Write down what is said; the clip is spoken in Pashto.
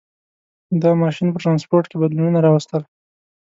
• دا ماشین په ټرانسپورټ کې بدلونونه راوستل.